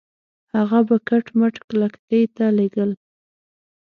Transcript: هغه به کټ مټ کلکتې ته لېږل.